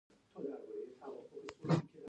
له خسو نه یې یوه برخه جومات ته بېله کړه.